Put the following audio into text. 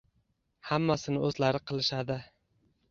Hammasini o`zlari qilishadi